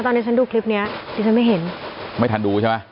ตอนนี้ฉันดูคลิปเนี้ยดิฉันไม่เห็นไม่ทันดูใช่ไหม